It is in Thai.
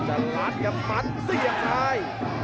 จะลัดกับมันสี่อย่างท้าย